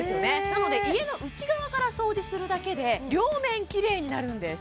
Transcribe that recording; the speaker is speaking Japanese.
なので家の内側から掃除するだけで両面きれいになるんです